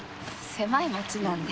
狭い町なんで。